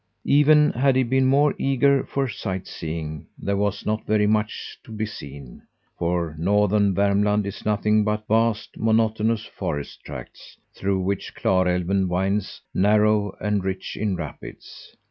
Even had he been more eager for sight seeing, there was not very much to be seen, for northern Vermland is nothing but vast, monotonous forest tracts, through which Klarälven winds narrow and rich in rapids.